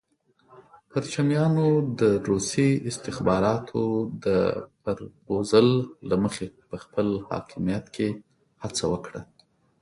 پرچمیانو د روسي استخباراتو د پرپوزل له مخې په خپل حاکمیت کې هڅه وکړه.